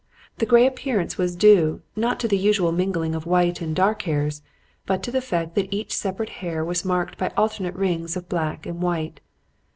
The gray appearance was due, not to the usual mingling of white and dark hairs, but to the fact that each separate hair was marked by alternate rings of black and white.